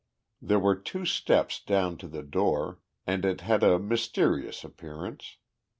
There were two steps down to the door, and it had a mysterious appearance.